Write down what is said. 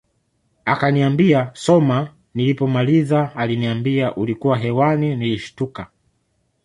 Akaniambia soma nilipomaliza aliambia ulikuwa hewani nilishtuka